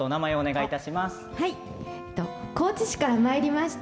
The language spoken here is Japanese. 高知市からまいりました